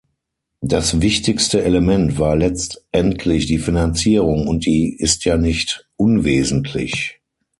Das wichtigste Element war letztendlich die Finanzierung, und die ist ja nicht unwesentlich.